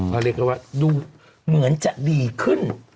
เขาเรียกกันว่าดูเหมือนจะดีขึ้น